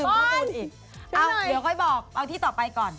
เดี๋ยวค่อยบอกเอาที่ต่อไปก่อน